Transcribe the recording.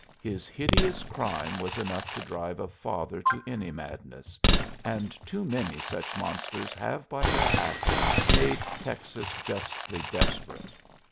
His hideous crime was enough to drive a father to any madness, and too many such monsters have by their acts made Texas justly desperate.